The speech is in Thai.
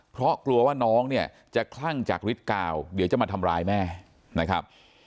เพราะกลัวว่าน้องเนี่ยจะคลั่งจากฤทธิกาวเดี๋ยวจะมาทำร้ายแม่นะครับ